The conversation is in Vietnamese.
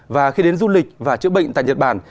và khi đến du lịch và chữa bệnh tại nhật bản